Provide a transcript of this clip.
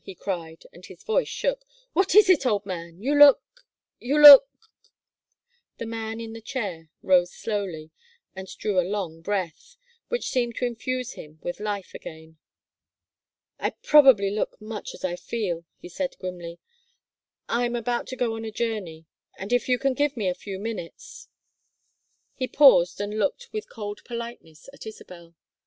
he cried, and his voice shook. "What is it, old man? You look you look " The man in the chair rose slowly and drew a long breath, which seemed to infuse him with life again. "I probably look much as I feel," he said, grimly. "I'm about to go on a journey, and if you can give me a few minutes " He paused and looked with cold politeness at Isabel.